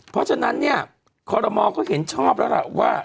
เพราะฉะนั้นเนี่ยคอรมอลเขาเห็นชอบแล้วล่ะว่า